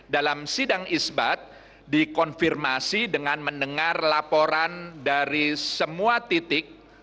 dalam sidang isbat dikonfirmasi dengan mendengar laporan dari semua titik